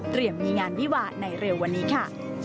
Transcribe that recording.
มีงานวิวาในเร็ววันนี้ค่ะ